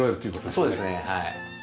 そうですねはい。